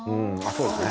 そうですね